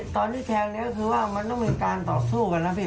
ตอนที่แทงนี้ก็คือว่ามันต้องมีการต่อสู้กันนะพี่